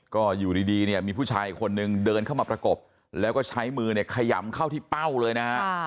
ก็อยู่ดีเนี่ยมีผู้ชายอีกคนนึงเดินเข้ามาประกบแล้วก็ใช้มือเนี่ยขยำเข้าที่เป้าเลยนะฮะ